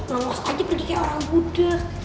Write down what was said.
nongos aja pergi kayak orang buddha